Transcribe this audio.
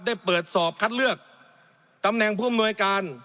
ได้เปิดสอบคัดเลือกตำแหน่งผู้อำนวยการ